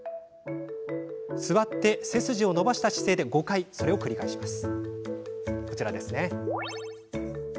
座って背筋を伸ばした姿勢で５回、繰り返します。